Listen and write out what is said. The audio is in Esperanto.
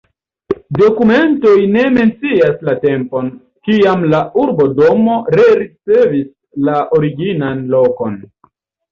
Dokumentoj ne mencias la tempon, kiam la urbodomo rericevis la originan lokon.